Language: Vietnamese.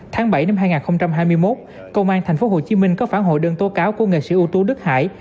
tháng bảy năm hai nghìn hai mươi một công an tp hcm có phản hồi đơn tố cáo của nghệ sĩ ưu tú đức hải